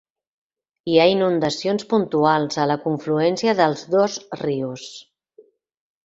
Hi ha inundacions puntuals a la confluència dels dos rius.